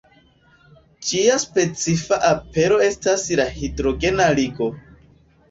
Ĝia specifa apero estas la hidrogena ligo.